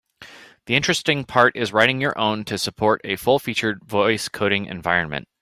The interesting part is writing your own to support a full-featured voice coding environment.